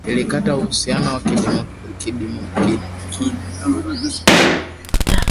ilikata uhusiano wa kidiplomasia mwaka elfu mbili na kumi na sita baada ya Saudi Arabia